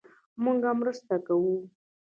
مونږ مرسته کوو